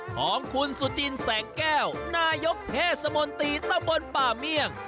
ของคุณสุจินแสงแก้วนายกเทศมนตรีตะบนป่าเมี่ยง